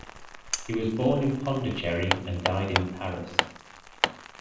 He was born in Pondicherry, and died in Paris.